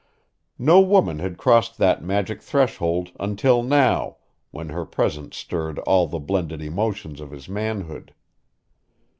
No woman had crossed that magic threshold until now, when her presence stirred all the blended emotions of his manhood.